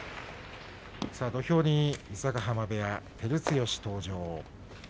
土俵に伊勢ヶ濱部屋の照強、登場です。